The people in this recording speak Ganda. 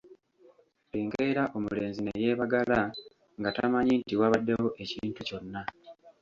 Enkeera omulenzi ne yeebagala nga tamanyi nti wabaddewo ekintu kyonna.